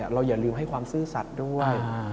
อย่าลืมให้ความซื่อสัตว์ด้วย